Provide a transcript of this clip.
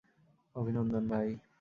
অভিনন্দন, ভাই!